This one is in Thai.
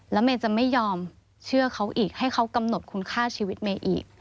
แล้วเมย์จะไม่ยอมเชื่อเขาอีกให้เขากำหนดคุณค่าชีวิตเมย์อีก